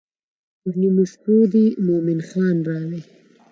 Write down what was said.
پر نیمو شپو دې مومن خان راوی.